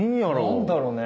何だろね？